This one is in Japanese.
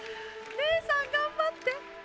姉さん頑張って。